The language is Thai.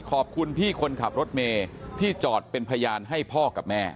ขอบคุณพี่คนขับรถเมย์ที่จอดเป็นพยานให้พ่อกับแม่